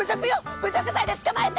侮辱罪で捕まえて！